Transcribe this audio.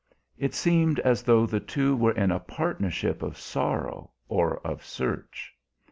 It seemed as though the two were in a partnership of sorrow or of search.